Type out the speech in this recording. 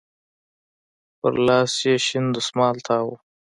په لاس يې شين دسمال تاو و.